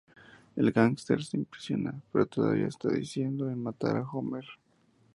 El gánster se impresiona, pero todavía está decidido en matar a Homer.